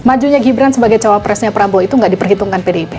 majunya gibran sebagai cowok presnya prabowo itu nggak diperhitungkan pdip